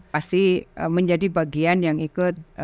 pasti menjadi bagian yang ikut